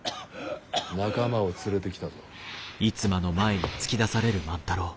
仲間を連れてきたぞ。